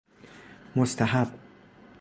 مستحب